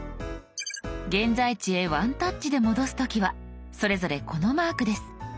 現在地へワンタッチで戻す時はそれぞれこのマークです。